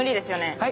はい。